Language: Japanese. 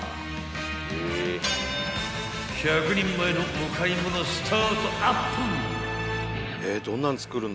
［１００人前のお買い物スタートアップ］